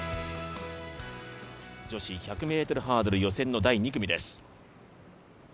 女子１００ｍハードル予選の第２組です。